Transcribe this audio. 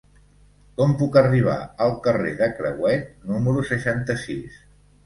Com puc arribar al carrer de Crehuet número seixanta-sis?